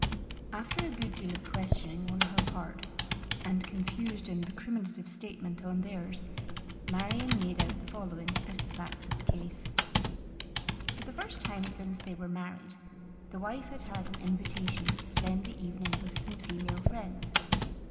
After a good deal of questioning on her part, and confused and recriminative statement on theirs, Marion made out the following as the facts of the case: For the first time since they were married, the wife had had an invitation to spend the evening with some female friends.